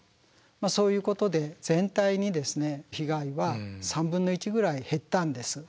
そういうことで全体に被害は３分の１ぐらい減ったんです。